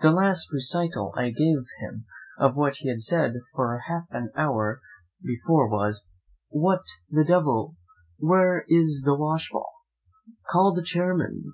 The last recital I gave him of what he said for half an hour before was, 'What, the devil! where is the washball? call the chairmen!